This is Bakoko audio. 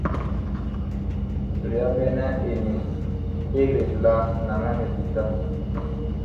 Tɔ yaɓɛnɛ eniŋ ɛg let laa, naŋɛ mipita.